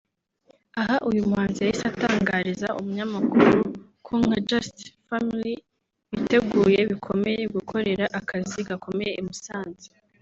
Aha uyu muhanzi yahise atangariza umunyamakuru ko nka Just Family biteguye bikomeye gukorera akazi gakomeye i Musanze